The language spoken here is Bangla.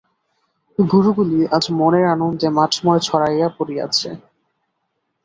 গোরুগুলি আজ মনের আনন্দে মাঠময় ছড়াইয়া পড়িয়াছে।